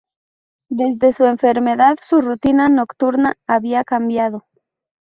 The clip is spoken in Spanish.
Desde su enfermedad su rutina nocturna había cambiado.